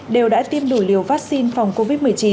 đều đã tiêm đủ liều vaccine phòng covid một mươi chín